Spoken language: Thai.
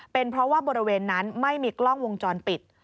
เป็นเพราะว่าบริเวณนั้นไม่มีกล้องวงจรปิด